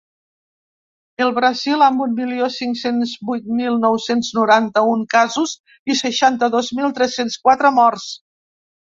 El Brasil, amb un milió cinc-cents vuit mil nou-cents noranta-un casos i seixanta-dos mil tres-cents quatre morts.